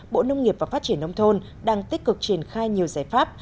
bộ nông nghiệp và phát triển nông thôn đang tích cực triển khai nhiều giải pháp